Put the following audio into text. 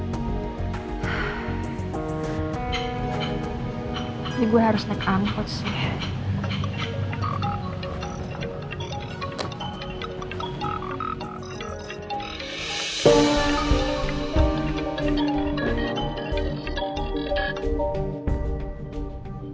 ini gue harus naik angkot sih